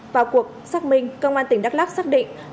vào cuộc xác minh công an tỉnh đắk lắc xác định